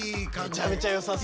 めちゃめちゃよさそう。